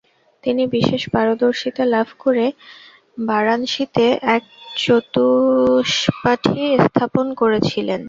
তিনি বিশেষ পারদর্শিতা লাভ করে বারাণসীতে এক চতুষ্পাঠী স্থাপন করেছিলেন।